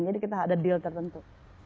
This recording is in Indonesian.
jadi kita ada deal tertentu